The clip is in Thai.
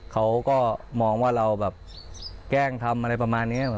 เขาก็มองว่าเราแบบแกล้งทำอะไรประมาณนี้